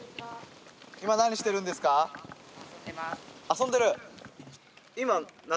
遊んでる。